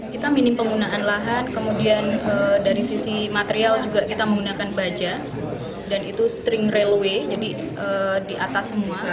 kita minim penggunaan lahan kemudian dari sisi material juga kita menggunakan baja dan itu string railway jadi di atas semua